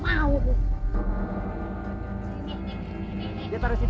ganteng jangan ketahui